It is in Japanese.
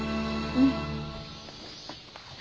うん。